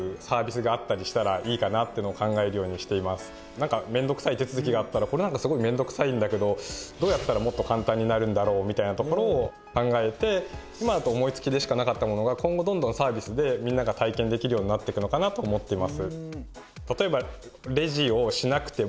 なんか面倒くさい手続きがあったらこれなんかすごい面倒くさいんだけどどうやったらもっと簡単になるんだろうみたいなところを考えて今だと思いつきでしかなかったものが今後どんどんサービスでみんなが体験できるようになってくのかなと思っています。